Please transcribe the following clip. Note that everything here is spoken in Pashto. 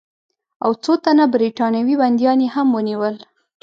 او څو تنه برټانوي بندیان یې هم ونیول.